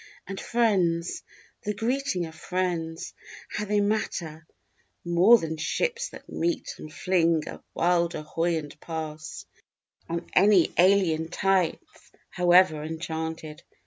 And friends, the greetings of friends, how they matter: More than ships that meet and fling a wild ahoy and pass, On any alien tides however enchanted.